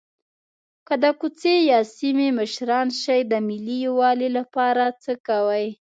که د کوڅې یا سیمې مشران شئ د ملي یووالي لپاره څه کوئ.